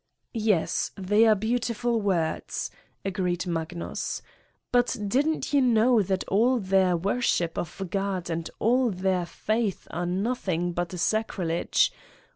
...' "Yes, they are beautiful words, " agreed Mag nus. '' But didn 't you know that all their worship of God and all their faith are nothing but sac rilege?